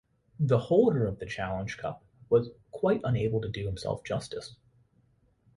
The holder of the challenge cup was quite unable to do himself justice.